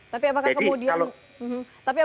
tapi apakah kemudian